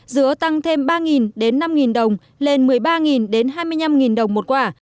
dứa tăng thêm ba năm đồng lên một mươi ba hai mươi năm đồng một quả